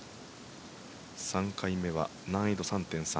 ３回目は難易度３．３。